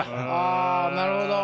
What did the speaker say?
あなるほど。